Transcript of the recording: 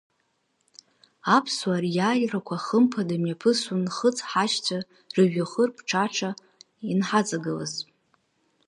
Аԥсуаа риааирақәа хымԥада имҩаԥысуан Нхыҵ ҳашьцәа рыжәҩахыр ԥҽаҽа анҳаҵагылаз.